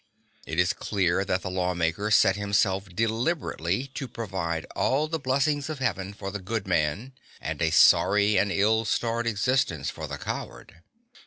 It is clear that the lawgiver set himself deliberately to provide all the blessings of heaven for the good man, and a sorry and ill starred existence for the coward.